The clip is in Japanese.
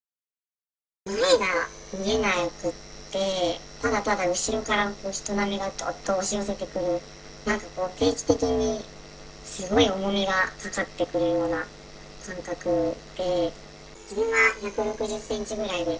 前が見えなくって、ただただ後ろからこう人波がずっと押し寄せてくる、なんかこう、定期的にすごい重みがかかってくるような感覚で。